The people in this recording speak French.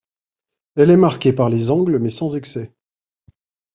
Elle est marquée par les angles, mais sans excès.